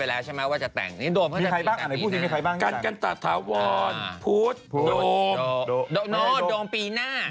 ว่าจะเลือกกับผัวเลือกกับผัวนิกัด